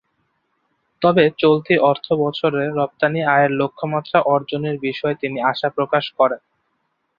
তবে চলতি অর্থবছর রপ্তানি আয়ের লক্ষ্যমাত্রা অর্জনের বিষয়ে তিনি আশা প্রকাশ করেন।